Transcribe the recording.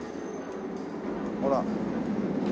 ほら。